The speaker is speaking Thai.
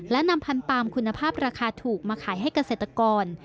และนำพันปาล์มคุณภาพราคาถูกมาขายให้เกษตรกร